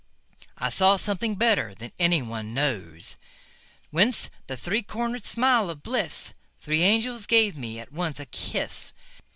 I saw something better than any one knows. Whence that three corner'd smile of bliss? Three angels gave me at once a kiss.